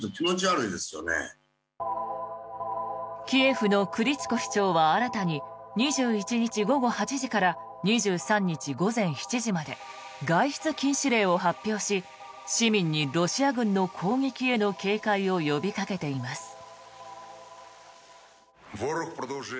キエフのクリチコ市長は新たに２１日午後８時から２３日午前７時まで外出禁止令を発表し市民にロシア軍の攻撃への警戒を呼びかけています。